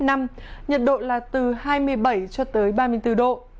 nhiệt độ là từ hai mươi bảy cho tới ba mươi bốn độ